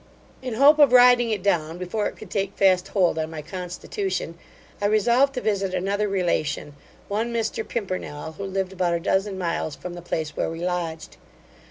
In hope of riding it down before it could take fast hold on my constitution, I resolved to visit another relation, one Mr Pimpernel, who lived about a dozen miles from the place where we lodged.